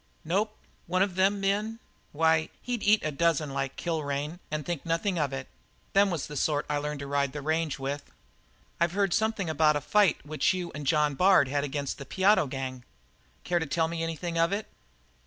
"Nope. One of them men why, he'd eat a dozen like Kilrain and think nothin' of it. Them was the sort I learned to ride the range with." "I've heard something about a fight which you and John Bard had against the Piotto gang. Care to tell me anything of it?"